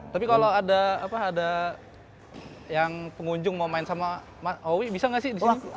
tapi kalo ada apa ada yang pengunjung mau main sama mas owi bisa gak sih disini